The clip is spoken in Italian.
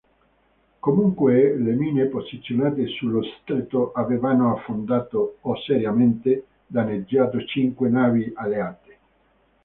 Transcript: Comunque, le mine posizionate sullo stretto avevano affondato o seriamente danneggiato cinque navi alleate.